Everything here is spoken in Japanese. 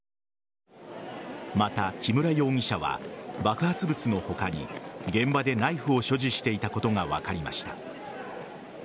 また、木村容疑者は爆発物の他に、現場でナイフを所持していたことが分かりました。